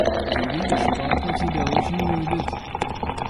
Ты видишь, папа тебя очень любит!